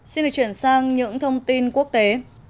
xin được chuyển sang những thông tin quốc tế